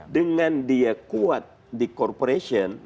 dengan dia kuat di corporation